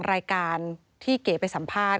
รายการที่เก๋ไปสัมภาษณ